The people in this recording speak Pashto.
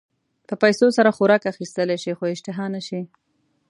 په پیسو سره خوراک اخيستلی شې خو اشتها نه شې.